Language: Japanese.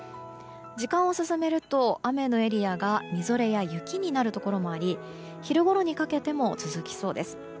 時間を進めると雨のエリアがみぞれや雪になるところもあり昼ごろにかけても続きそうです。